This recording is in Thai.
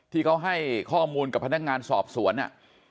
ที่เขาให้ข้อมูลกับพนักงานสอบสวน